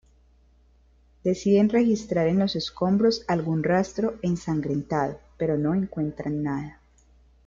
Deciden registrar en los escombros algún rastro ensangrentado, pero no encuentran nada.